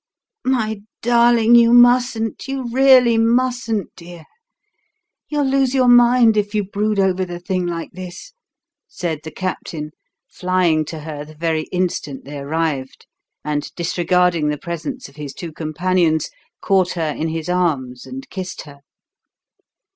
"My darling, you mustn't you really mustn't, dear. You'll lose your mind if you brood over the thing like this," said the Captain, flying to her the very instant they arrived; and, disregarding the presence of his two companions, caught her in his arms and kissed her.